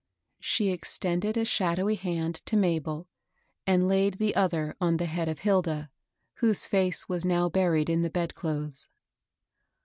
She extended a shadowy hand to Mabel, and laid the othe^ on the head of Hilda, whose face was now buried in the bedclothes.